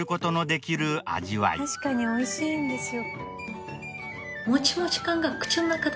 確かにおいしいんですよ。